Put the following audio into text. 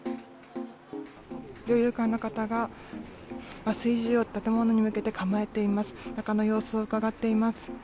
猟友会の方が麻酔銃を建物に向けて構えています。